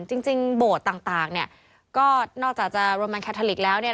จริงโบสถ์ต่างนอกจากจะโรแมนคาทาลิกแล้ว